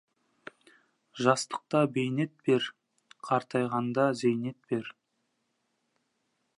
Жастықта бейнет бер, қартайғанда зейнет бер.